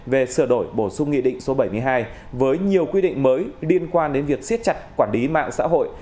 về sửa đổi bổ sung nghị định số bảy mươi hai với nhiều quy định mới liên quan đến việc siết chặt quản lý mạng xã hội